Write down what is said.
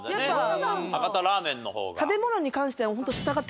博多ラーメンの方が。